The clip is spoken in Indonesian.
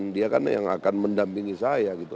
dia kan yang akan mendampingi saya gitu